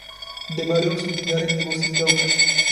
მდებარეობს მდინარე ნილოსის დელტაში.